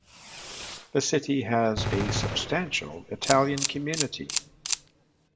The city has a substantial Italian community.